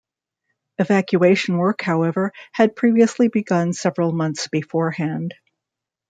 Excavation work however, had previously begun several months beforehand.